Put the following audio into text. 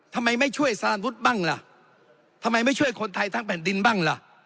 ทำไมไม่ช่วยสารวุฒิบ้างล่ะทำไมไม่ช่วยคนไทยทั้งแผ่นดินบ้างล่ะ